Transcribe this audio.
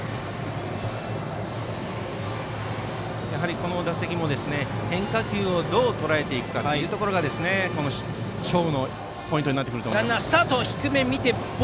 この打席も変化球をどうとらえていくかが勝負のポイントになると思います。